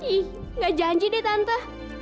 ih gak janji deh tante